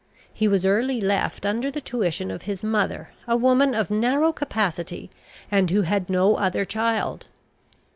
He was early left under the tuition of his mother, a woman of narrow capacity, and who had no other child.